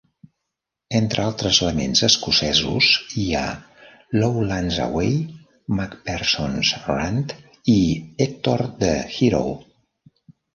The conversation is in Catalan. Entre altres laments escocesos hi ha "Lowlands Away", "MacPherson's Rant" i "Hector the Hero".